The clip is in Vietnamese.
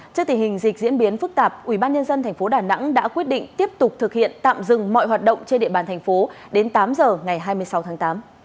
trước tình hình dịch diễn biến phức tạp ubnd tp đà nẵng đã quyết định tiếp tục thực hiện tạm dừng mọi hoạt động trên địa bàn thành phố đến tám giờ ngày hai mươi sáu tháng tám